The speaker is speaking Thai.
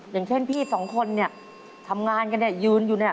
อย่างเช่นพี่สองคนเนี่ยทำงานกันเนี่ยยืนอยู่เนี่ย